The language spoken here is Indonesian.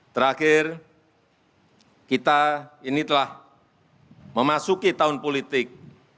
terakhir kita ini telah memasuki tahun politik